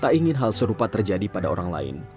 tak ingin hal serupa terjadi pada orang lain